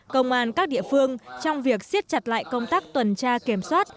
công an các địa phương trong việc siết chặt lại công tác tuần tra kiểm soát